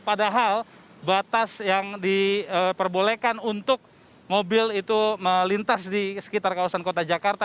padahal batas yang diperbolehkan untuk mobil itu melintas di sekitar kawasan kota jakarta